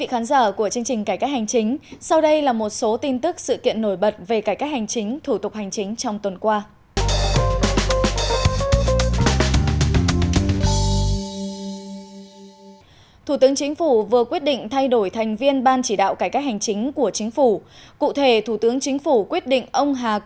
hãy đăng ký kênh để ủng hộ kênh của chúng mình nhé